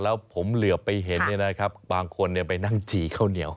แล้วผมเหลือไปเห็นนี่นะครับบางคนจะไปนั่งก์จี่เข้าเหนียว